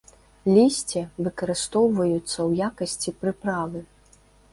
Лісце выкарыстоўваюцца ў якасці прыправы.